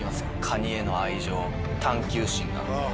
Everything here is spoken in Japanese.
カニへの愛情探究心が。